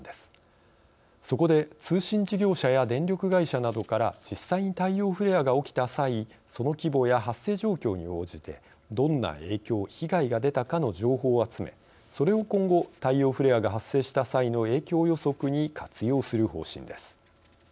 そこで通信事業者や電力会社などから実際に太陽フレアが起きた際その規模や発生状況に応じてどんな影響・被害が出たかの情報を集めそれを今後太陽フレアが発生した際の影響予測に活用する方針です。